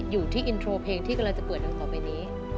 อยู่ที่อินโทรเพลงที่กำลังจะเปิดดังต่อไปนี้